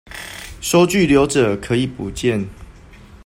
收據留著，可以補件